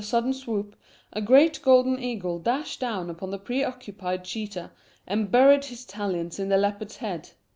Just then, with a sudden swoop, a great golden eagle dashed down upon the preoccupied cheetah, and buried his talons in the leopard's head.